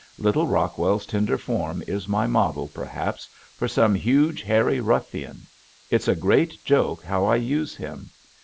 Little Rockwell's tender form is my model perhaps for some huge, hairy ruffian. It's a great joke how I use him.